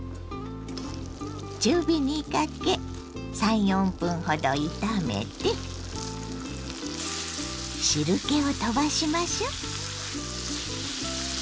中火にかけ３４分ほど炒めて汁けを飛ばしましょう。